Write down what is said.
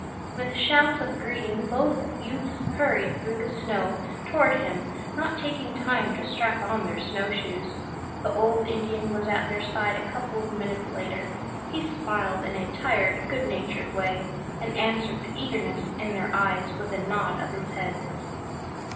With shouts of greeting both youths hurried through the snow toward him, not taking time to strap on their snow shoes. The old Indian was at their side a couple of minutes later. He smiled in a tired good natured way, and answered the eagerness in their eyes with a nod of his head.